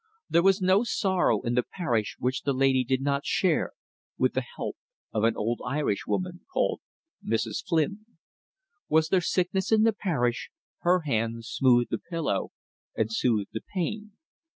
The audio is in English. There was no sorrow in the parish which the lady did not share, with the help of an old Irishwoman called Mrs. Flynn. Was there sickness in the parish, her hand smoothed the pillow and soothed the pain.